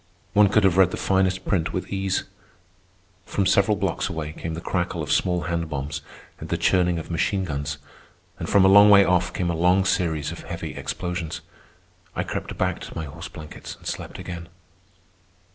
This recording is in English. One could have read the finest print with ease. From several blocks away came the crackle of small hand bombs and the churning of machine guns, and from a long way off came a long series of heavy explosions. I crept back to my horse blankets and slept again.